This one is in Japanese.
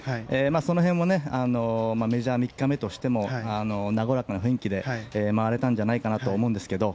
その辺もメジャー３日目としても和やかな雰囲気で回れたんじゃないかなと思うんですけど。